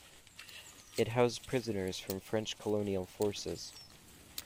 It housed prisoners from French Colonial Forces.